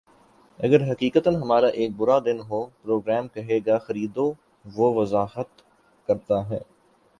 اگر حقیقتا ہمارا ایک برا دن ہو پروگرام کہے گا خریدو وہ وضاحت کرتا ہے